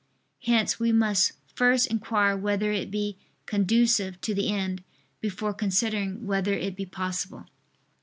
Hence we must first inquire whether it be conducive to the end, before considering whether it be possible.